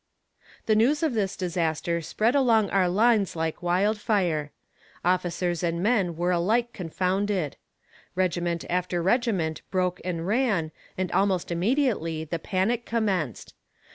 The news of this disaster spread along our lines like wildfire; officers and men were alike confounded; regiment after regiment broke and ran, and almost immediately the panic commenced.